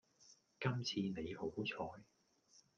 今次你好彩